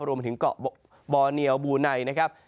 รวมถึงเกาะบอเนียลบูไนนะครับ